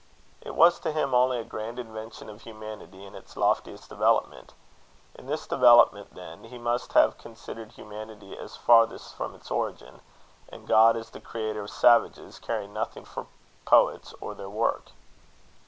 It was to him only a grand invention of humanity in its loftiest development. In this development, then, he must have considered humanity as farthest from its origin; and God as the creator of savages, caring nothing for poets or their work.